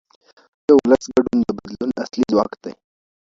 د ولس ګډون د بدلون اصلي ځواک دی